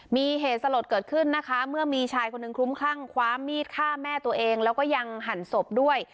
มีเหตุสลดเกิดขึ้นนะคะเมื่อมีชายคนหนึ่งคลุ้มคลั่งคว้ามีดฆ่าแม่ตัวเองแล้วก็ยังหั่นศพด้วย